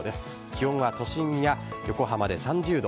気温は都心や横浜で３０度。